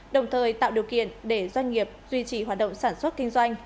đồng thời tạo điều kiện để doanh nghiệp duy trì hoạt động sản xuất kinh doanh